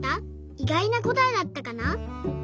いがいなこたえだったかな？